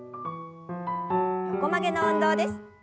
横曲げの運動です。